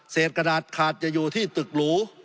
กระดาษขาดจะอยู่ที่ตึกหรู